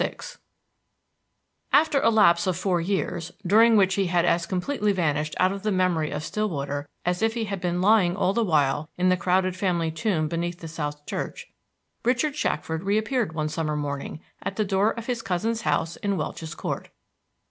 VI After a lapse of four years, during which he had as completely vanished out of the memory of Stillwater as if he had been lying all the while in the crowded family tomb behind the South Church, Richard Shackford reappeared one summer morning at the door of his cousin's house in Welch's Court.